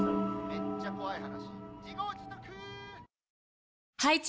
めっちゃ怖い話。